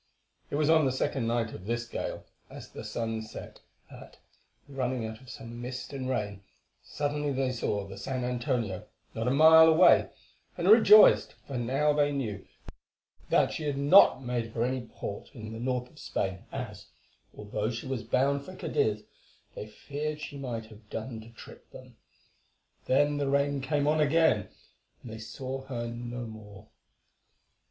It was on the second night of this gale, as the sun set, that, running out of some mist and rain, suddenly they saw the San Antonio not a mile away, and rejoiced, for now they knew that she had not made for any port in the north of Spain, as, although she was bound for Cadiz, they feared she might have done to trick them. Then the rain came on again, and they saw her no more.